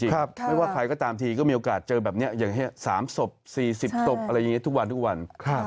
ไม่ว่าใครก็ตามทีก็มีโอกาสเจอแบบนี้อย่างนี้๓ศพ๔๐ศพอะไรอย่างนี้ทุกวันทุกวัน